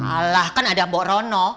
alah kan ada mbok rono